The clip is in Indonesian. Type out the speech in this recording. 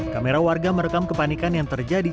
kamera warga merekam kepanikan yang terjadi